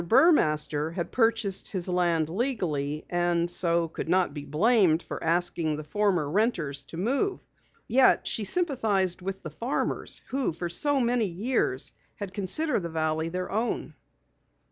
Burmaster had purchased his land legally, and so could not be blamed for asking the former renters to move. Yet she sympathized with the farmers who for so many years had considered the valley their own.